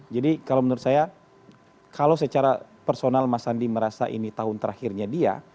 jadi kalau menurut saya kalau secara personal mas sandi merasa ini tahun terakhirnya dia